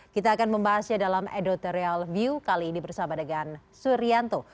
kita akan membahasnya dalam editorial view kali ini bersama dengan suryanto